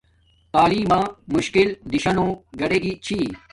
تعلیم ما مشکل دیشانو گاڈے گی چھی